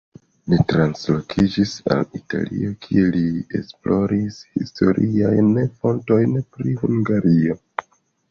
Li translokiĝis al Italio, kie li esploris historiajn fontojn pri Hungario.